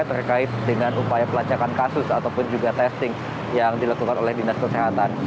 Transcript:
terkait dengan upaya pelacakan kasus ataupun juga testing yang dilakukan oleh dinas kesehatan